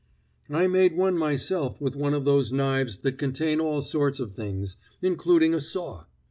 "I made one myself with one of those knives that contain all sorts of things, including a saw.